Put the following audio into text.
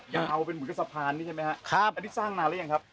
ยังเอาเป็นหมุยกระสะพานนี่ใช่ไหมครับอันนี้สร้างนานแล้วยังครับ